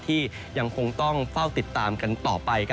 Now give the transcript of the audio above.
ที่ยังคงต้องเฝ้าติดตามกันต่อไป